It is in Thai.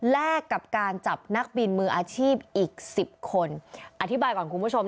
แลกกับการจับนักบินมืออาชีพอีกสิบคนอธิบายก่อนคุณผู้ชม